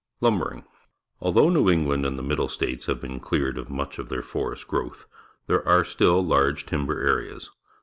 Lumbering. — Although New England and the Middle States have been cleared of much of their forest growth, there are still large timber areas.